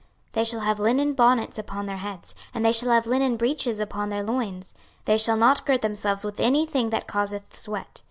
26:044:018 They shall have linen bonnets upon their heads, and shall have linen breeches upon their loins; they shall not gird themselves with any thing that causeth sweat.